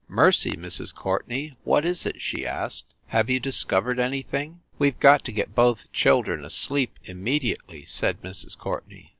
"Mercy, Mrs. Courtenay, what is it?" she asked. "Have you dis covered anything?" "We ve got to get both children asleep immedi ately," said Mrs. Courtenay.